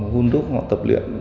hôn đúc họ tập luyện